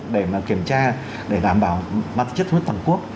để mà kiểm tra để đảm bảo mặt chất thuốc toàn quốc